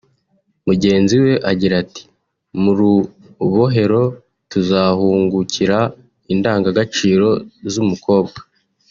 Mugenzi we agira ati “Mu rubohero tuzahungukira indangagaciro z’umukobwa